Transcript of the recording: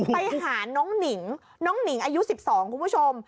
ไปหาน้องหนิงน้องหนิงอายุ๑๒คุณผู้ชม